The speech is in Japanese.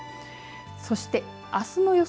そして、あすの予想